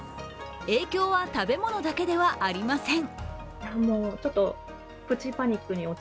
影響は食べ物だけではありません。